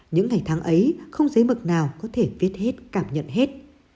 những ngày tháng ấy không giấy mực nào có thể viết hết cảm nhận hết